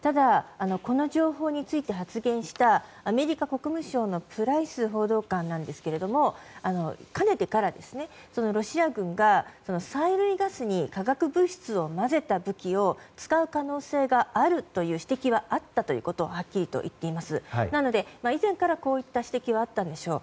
この情報について発言したアメリカ国防省のプライス報道官ですがかねてからロシア軍が催涙ガスに化学物質を混ぜた武器を使う可能性があるという指摘はあったということをはっきりと言っていますので以前からこういった指摘はあったんでしょう。